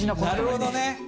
なるほどね！